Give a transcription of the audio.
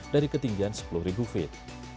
dari ketinggian sepuluh feet